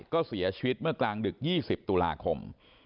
ก็เสียชีวิตเมื่อกลางดึก๒๐ตุลาคม